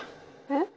えっ？